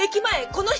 この人！